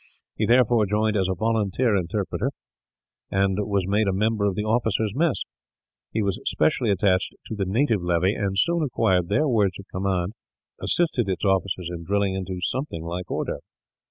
He therefore joined as a volunteer interpreter, and was made a member of the officers' mess. He was specially attached to the native levy and, soon acquiring their words of command, assisted its officers in drilling it into something like order.